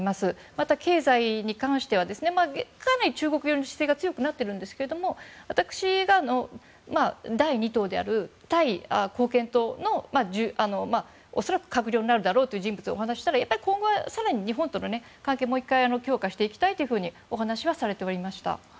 また、経済に関してはかなり中国寄りの姿勢が強くなっているんですが第２党であるタイ貢献党の恐らく閣僚になるだろうという人物とお話したら今後は更に日本との関係をもう１回、強化していきたいとお話はされていました。